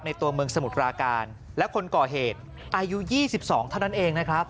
ในตัวเมืองสมุทรการและคนก่อเหตุอายุยี่สิบสองเท่านั้นเองนะครับ